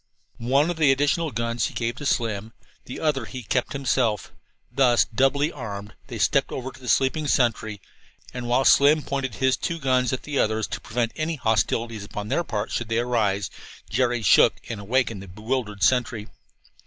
One of the additional guns he gave to Slim; the other he kept himself. Thus doubly armed, they stepped over to the sleeping sentry, and while Slim pointed his two guns at the others, to prevent any hostilities upon their part, should they rouse, Jerry shook and awakened the bewildered sentry.